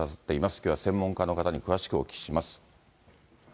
きょうは専門家の方に詳しくお聞きします。